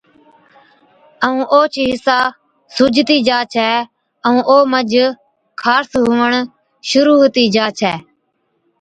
ائُون اوهچ حِصا سُوجتِي جا ڇَي ائُون او منجھ خارس هُوَڻ شرُوع هُتِي جا ڇَي۔